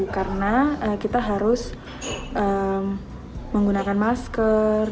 karena kita harus menggunakan masker